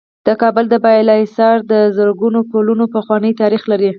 د کابل د بالا حصار د زرو کلونو پخوانی تاریخ لري